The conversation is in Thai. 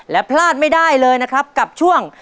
และพลาดไม่ได้เลยนะครับกับช่วง